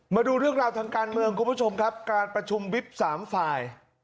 มาดูเรื่องราวทางการเมืองคุณผู้ชมครับการประชุมวิบสามฝ่าย